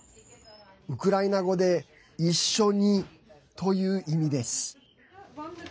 ウクライナ語で一緒にという意味です。